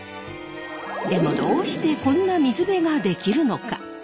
でもどうしてこんな水辺ができるのか。